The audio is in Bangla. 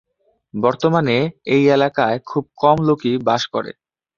বর্তমানে এই এলাকায় খুব কম লোকই বাস করে।